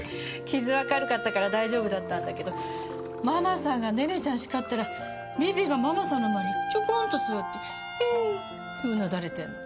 傷は軽かったから大丈夫だったんだけどママさんがネネちゃん叱ったらビビがママさんの前にちょこんと座ってううってうなだれてるの。